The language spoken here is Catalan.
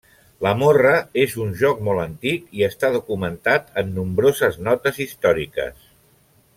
La morra és un joc molt antic i està documentat en nombroses notes històriques.